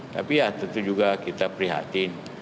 tapi ya tentu juga kita prihatin